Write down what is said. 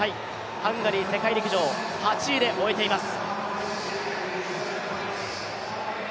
ハンガリー世界陸上、８位で終えています。